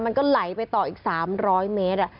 มันก็ไหลไปต่ออีก๓๐๐เมตร